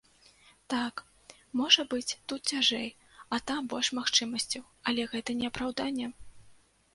Так, можа быць, тут цяжэй, а там больш магчымасцяў, але гэта не апраўданне!